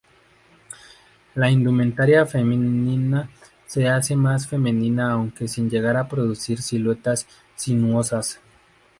La indumentaria femenina se hace más femenina aunque sin llegar a producir siluetas sinuosas.